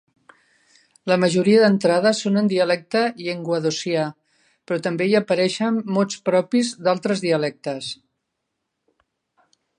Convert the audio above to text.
La majoria d'entrades són en dialecte llenguadocià, però també hi apareixen mots propis d'altres dialectes.